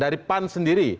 dari pan sendiri